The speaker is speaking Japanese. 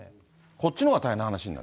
こっちの方が大変な話になる？